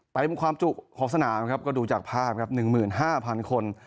ใต้ความจุของสนามนะครับก็ดูจากภาพครับหนึ่งหมื่นห้าพันคน